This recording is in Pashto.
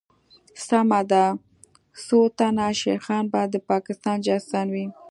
سمه ده څوتنه شيخان به دپاکستان جاسوسان وي